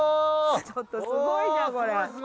ちょっとすごいなこれ。